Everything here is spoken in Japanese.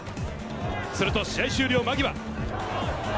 すると試合終了間際。